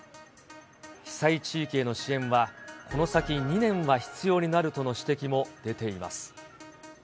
被災地域への支援はこの先２年は必要になるとの指摘も出ています。